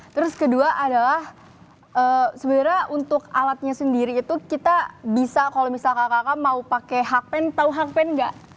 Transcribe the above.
terus kedua adalah sebenernya untuk alatnya sendiri itu kita bisa kalau misalkan kakak mau pakai hakpen tau hakpen gak